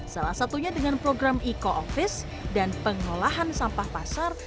salah satunya dengan program eco office dan pengelolaan sampah pasar